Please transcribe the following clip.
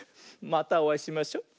またおあいしましょ。